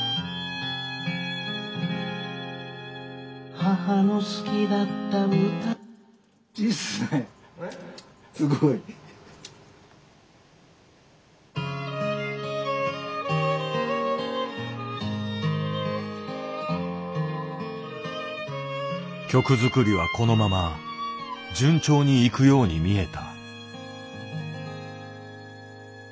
母の好きだった歌曲作りはこのまま順調にいくように見えた。